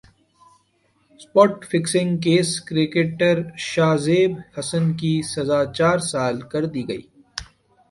spot fixing case cricketer Shahzeb Hasan کی سزا چار سال کر دی گئی